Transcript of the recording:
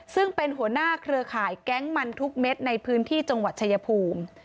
ซึ่งเป็นหัวหน้าเครือข่ายแก๊งมันทุกเม็ดในพื้นที่จังหวัดชายภูมิ